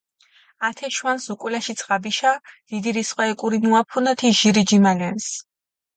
ათე შვანს უკულაში ძღაბიშა დიდი რისხვა ეკურინუაფუნა თი ჟირი ჯიმალენს.